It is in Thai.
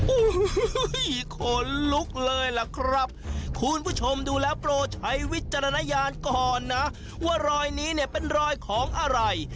โอ้โหขนลุกเลยล่ะครับคุณผู้ชมดูแล้วโปรใช้วิจารณญาณก่อนนะว่ารอยนี้เนี่ยเป็นรอยของอะไร